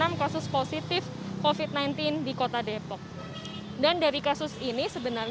yang kedua kantornya saat ini operasionalnya sudah dihentikan sementara dan diisolasi mulai dua puluh bulan